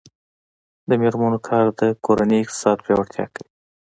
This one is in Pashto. د میرمنو کار د کورنۍ اقتصاد پیاوړتیا کوي.